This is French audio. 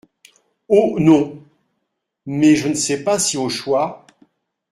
Oh ! non ! mais je ne sais pas si au choix…